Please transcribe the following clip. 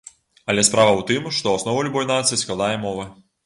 Але справа ў тым, што аснову любой нацыі складае мова.